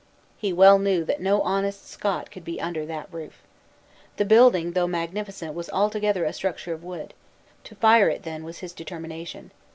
He well knew that no honest Scot could be under that roof. The building, though magnificent, was altogether a structure of wood; to fire it, then, was his determination.